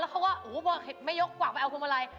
แล้วก็ไหมยกขวักมาเอาพวงมะลัย